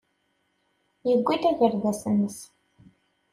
Yewwi-d agerdas-nnes.